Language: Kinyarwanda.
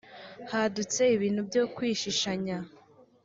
hadutse ibintu byo kwishishanya